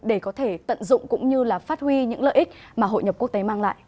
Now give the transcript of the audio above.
để có thể tận dụng cũng như là phát huy những lợi ích mà hội nhập quốc tế mang lại